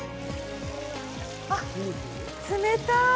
あっ、冷たい。